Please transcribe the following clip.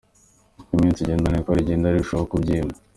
Uko iminsi igenda ni ko rigenda rirushaho kubyimba.